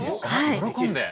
喜んで。